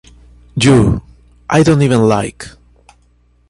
You, I don't even like.